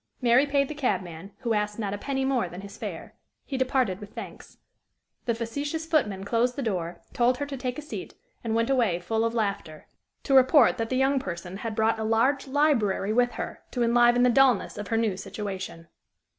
Mary paid the cabman, who asked not a penny more than his fare; he departed with thanks; the facetious footman closed the door, told her to take a seat, and went away full of laughter, to report that the young person had brought a large library with her to enliven the dullness of her new situation.